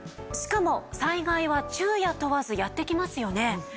しかも災害は昼夜問わずやって来ますよね。